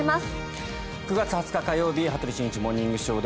９月２０日、火曜日「羽鳥慎一モーニングショー」。